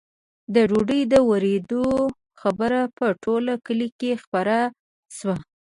د ډوډۍ د ورېدو خبره په ټول کلي کې خپره شوه.